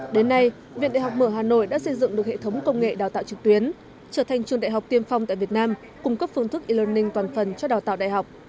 đến nay viện đại học mở hà nội đã xây dựng được hệ thống công nghệ đào tạo trực tuyến trở thành trường đại học tiên phong tại việt nam cung cấp phương thức e learning toàn phần cho đào tạo đại học